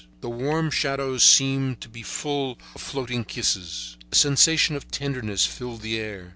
The warm shadows seemed to be full of floating kisses. A sensation of tenderness filled the air.